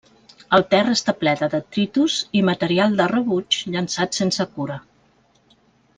El terra està ple de detritus i material de rebuig llençat sense cura.